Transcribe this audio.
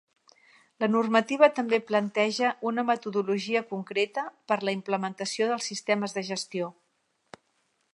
La normativa també planteja una metodologia concreta per a la implementació dels sistemes de gestió.